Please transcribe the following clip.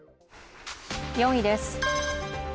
４位です。